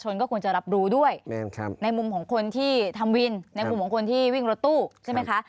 ในมุมของคนที่ทำวินในมุมของคนที่วิ่งรถตู้ใช่ไหมคะ